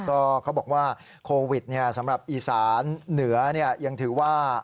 ก็เขาบอกว่าโควิดสำหรับอีสานเหนือยังถือว่า